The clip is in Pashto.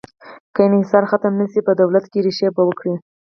که انحصار ختم نه شي، په دولت کې ریښې به وکړي.